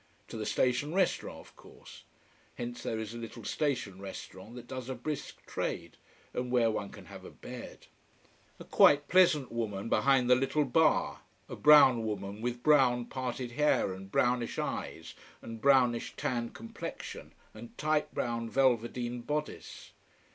To the station restaurant, of course. Hence there is a little station restaurant that does a brisk trade, and where one can have a bed. A quite pleasant woman behind the little bar: a brown woman with brown parted hair and brownish eyes and brownish, tanned complexion and tight brown velveteen bodice.